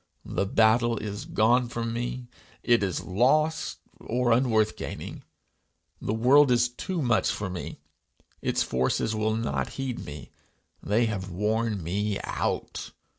The battle is gone from me! It is lost, or unworth gaining! The world is too much for me! Its forces will not heed me! They have worn me out!